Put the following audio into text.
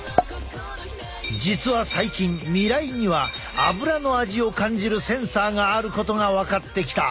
実は最近味蕾にはアブラの味を感じるセンサーがあることが分かってきた。